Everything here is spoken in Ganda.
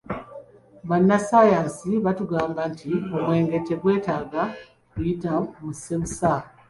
Bannasaanyansi batugamba nti omwenge tegwetaaga kuyita mu ssebusa.